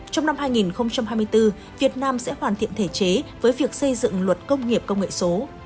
trong năm hai nghìn hai mươi bốn việt nam sẽ hoàn thiện thể chế với việc xây dựng luật công nghiệp công nghệ số